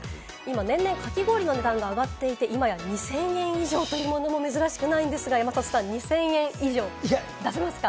年々かき氷の値段が上がっていて、今や２０００円以上というものも珍しくないんですが、山里さん、２０００円以上出せますか？